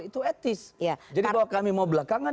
itu etis jadi bahwa kami mau belakangan